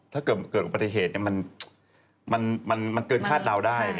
ถ้าเกิดอุบัติเหตุมันเกินคาดดาวน์ได้